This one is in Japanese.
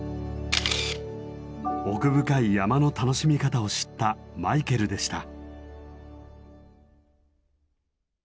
奥深い山の楽しみ方を知ったマイケルでした。